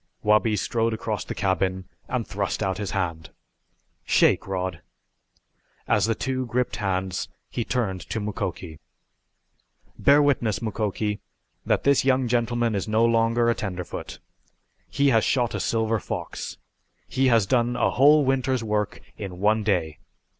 Wabi strode across the cabin and thrust out his hand. "Shake, Rod!" As the two gripped hands he turned to Mukoki. "Bear witness, Mukoki, that this young gentleman is no longer a tenderfoot. He has shot a silver fox. He has done a whole winter's work in one day.